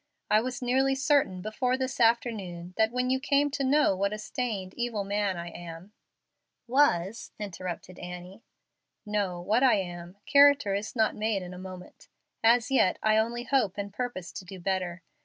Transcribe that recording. I was nearly certain before this afternoon that when you came to know what a stained, evil man I am " "Was," interrupted Annie. "No, what I am. Character is not made in a moment. As yet, I only hope and purpose to do better.